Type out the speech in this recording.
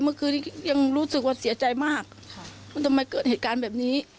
เมื่อคืนนี้ยังรู้สึกว่าเสียใจมากว่าทำไมเกิดเหตุการณ์แบบนี้